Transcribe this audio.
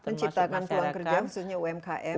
menciptakan peluang kerja khususnya umkm